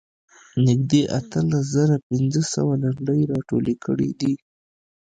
نږدې اتلس زره پنځه سوه لنډۍ راټولې کړې دي.